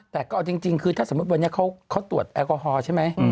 แต่ก็เอาจริงคือถ้าสมมุติวันนี้เขาตรวจแอลกอฮอล์ใช่ไหม